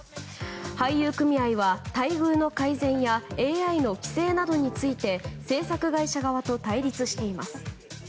俳優組合は待遇の改善やＡＩの規制などについて製作会社側と対立しています。